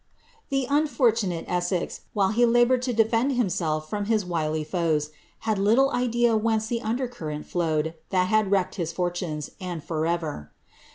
'' The unforluoate Essex, while he laboared to defend himself fram ilia wily foes, had little idea whence the under cuireat flowed thai had wrecked hia fortunes, and for ever.